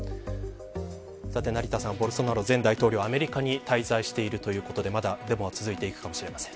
成田さん、ボルソナロ前大統領アメリカに滞在しているということでまだ、デモが続いていくかもしれません。